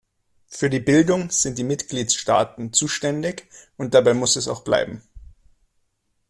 Für die Bildung sind die Mitgliedstaaten zuständig, und dabei muss es auch bleiben.